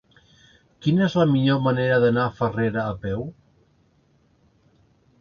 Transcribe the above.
Quina és la millor manera d'anar a Farrera a peu?